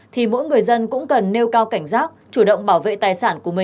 thì mỗi người dân cũng cần nêu cao cảnh giác chủ động bảo vệ tài sản